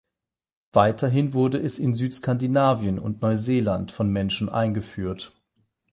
Weiterhin wurde es in Südskandinavien und Neuseeland vom Menschen eingeführt.